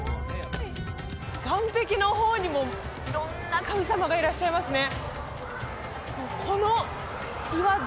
岩壁の方にも色んな神様がいらっしゃいますね